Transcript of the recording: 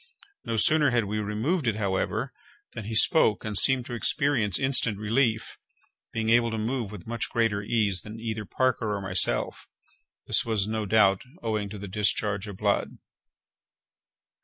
No sooner had we removed it, however, than he spoke, and seemed to experience instant relief—being able to move with much greater ease than either Parker or myself—this was no doubt owing to the discharge of blood.